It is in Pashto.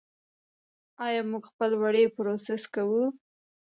آیا موږ خپل وړۍ پروسس کوو؟